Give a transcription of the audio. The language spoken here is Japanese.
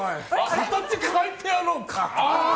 形かえてやろうか？